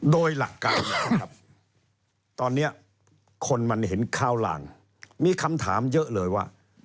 โดยหลักการแล้วครับตอนนี้คนมันเห็นข้าวหลางมีคำถามเยอะเลยว่า